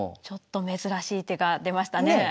ちょっと珍しい手が出ましたね。